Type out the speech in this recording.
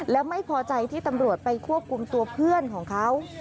แล้วไม่พอใจที่ตำรวจไปควบคุมตัวเพื่อนของเขา